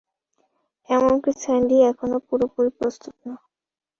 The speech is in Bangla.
এমনকি স্যান্ডি এখনও পুরোপুরি প্রস্তুত না।